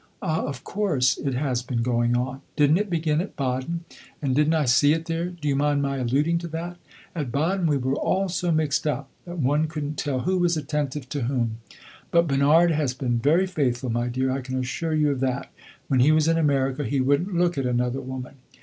Ah, of course, it has been going on! Did n't it begin at Baden, and did n't I see it there? Do you mind my alluding to that? At Baden we were all so mixed up that one could n't tell who was attentive to whom! But Bernard has been very faithful, my dear; I can assure you of that. When he was in America he would n't look at another woman.